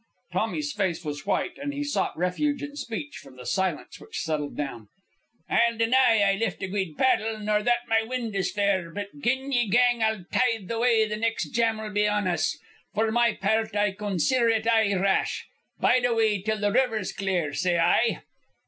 Tommy's face was white, and he sought refuge in speech from the silence which settled down. "I'll deny I lift a guid paddle, nor that my wind is fair; but gin ye gang a tithe the way the next jam'll be on us. For my pairt I conseeder it ay rash. Bide a wee till the river's clear, say I."